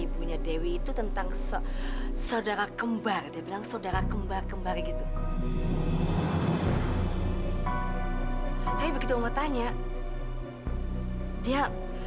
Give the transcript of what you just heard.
sampai jumpa di video selanjutnya